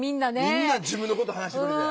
みんな自分のこと話してくれて。